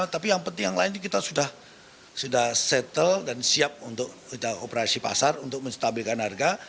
tapi yang penting yang lain kita sudah settle dan siap untuk operasi pasar untuk menstabilkan harga